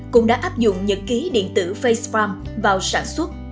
cũng đã áp dụng nhật ký điện tử facef vào sản xuất